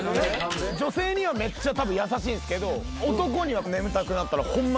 女性にはめっちゃたぶん優しいんですけど男には眠たくなったらホンマ